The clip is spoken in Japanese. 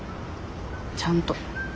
ちゃんと。